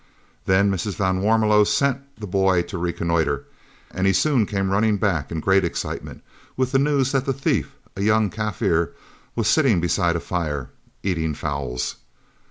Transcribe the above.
Then Mrs. van Warmelo sent the boy to reconnoitre, and he soon came running back in great excitement, with the news that the thief, a young Kaffir, was sitting beside a fire, eating fowls.